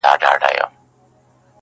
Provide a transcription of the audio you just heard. ژوند سرینده نه ده، چي بیا یې وږغوم,